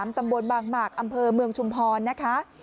ตำบลบางหมากอำเภอเมืองชุมพรนะคะ